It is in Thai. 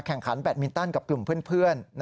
แข่งขันแบดมินตันกับกลุ่มเพื่อน